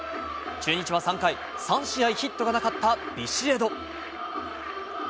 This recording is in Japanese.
中日は３回、３試合ヒットがなかったビシエド。